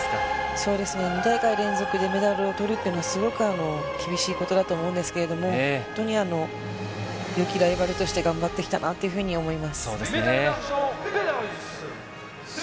そうですね、２大会連続でメダルをとるというのは、すごく厳しいことだと思うんですけども、本当によきライバルとして頑張ってきたなというふうに思います。